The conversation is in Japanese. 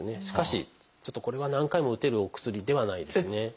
しかしちょっとこれは何回も打てるお薬ではないですね。